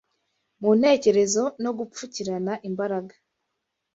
mu ntekerezo no gupfukirana imbaraga